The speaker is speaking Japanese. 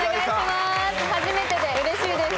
初めてでうれしいです。